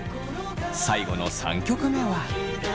最後の３曲目は。